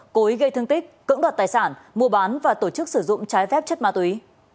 cố ý gây thương tích cưỡng đoạt tài sản mua bán và tổ chức sử dụng trái phép chất ma túy